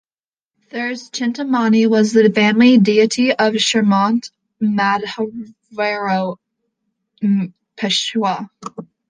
Theur's Chintamani was the family deity of Shrimant Madhavrao I Peshwa.